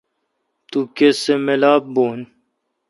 تو کسہ ملاپ بھو ۔